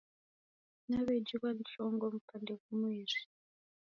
Naw'ejighwa ni chongo mpande ghumweri